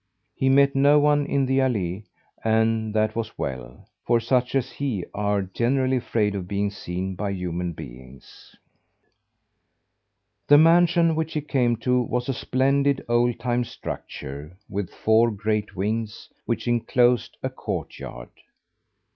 He met no one in the allée and that was well, for such as he are generally afraid of being seen by human beings. The mansion which he came to was a splendid, old time structure with four great wings which inclosed a courtyard.